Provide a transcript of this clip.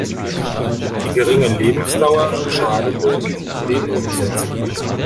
Die geringe Lebensdauer schadete den Umsätzen.